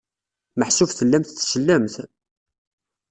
Meḥsub tellamt tsellemt?